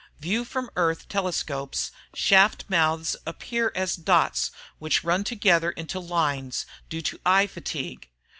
view from Earth telescopes, shaft mouths appear as dots which run together into lines due to eye fatigue